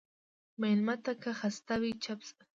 مېلمه ته که خسته وي، چپ شه.